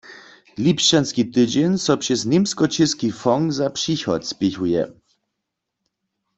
Lipšćanski tydźeń so přez Němsko-česki fond za přichod spěchuje.